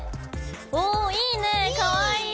おいいねかわいい！